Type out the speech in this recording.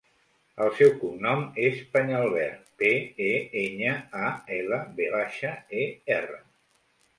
El seu cognom és Peñalver: pe, e, enya, a, ela, ve baixa, e, erra.